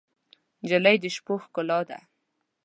نجلۍ د شپو ښکلا ده.